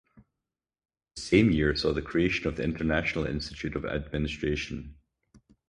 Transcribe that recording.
The same year saw the creation of the International Institute of Administration.